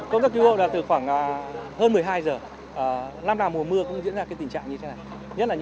công tác cứu hộ từ khoảng hơn một mươi hai giờ năm nào mùa mưa cũng diễn ra tình trạng như thế này